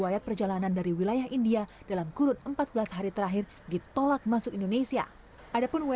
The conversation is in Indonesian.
akan menjalani pemeriksaan berlapis sebelum menuju ke lokasi karantina